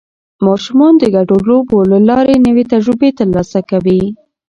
ماشومان د ګډو لوبو له لارې نوې تجربې ترلاسه کوي